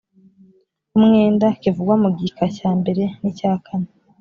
umwenda kivugwa mu gika cya mbere n icyakane